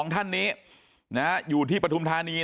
๒ท่านนี้อยู่ที่ปฐุมธานี